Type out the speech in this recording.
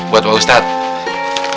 buat pak ustadz